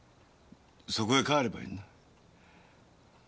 そこへ帰ればいいんだ。